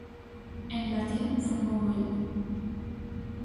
_En latín! _fungou el.